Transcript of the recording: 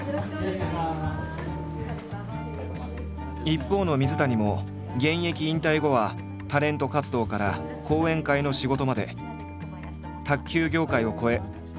一方の水谷も現役引退後はタレント活動から講演会の仕事まで卓球業界を超えさまざまな分野に挑戦中。